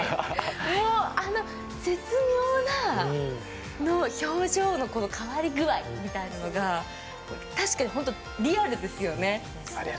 あの絶妙な表情の変わり具合みたいなのが確かに、ほんとリアルですよね。